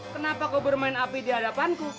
kenapa kau bermain api di hadapanku